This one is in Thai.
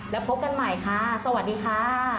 แล้วพบกันใหม่ค่ะสวัสดีค่ะ